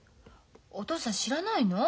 お父さん知らないの？